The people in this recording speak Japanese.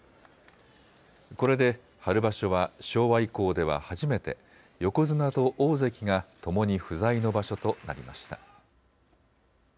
これで春場所は昭和以降では初めて横綱と大関がともに不在の場所となりました。